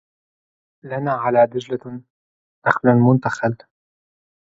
لنا على دجلة نخل منتخل